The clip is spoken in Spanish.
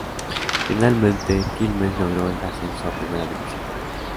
Finalmente, Quilmes logró el ascenso a Primera División.